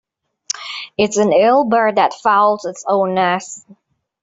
It's an ill bird that fouls its own nest.